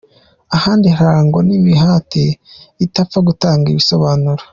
Ahandi harangwa n’imihati itapfa gutanga ibisobanuro.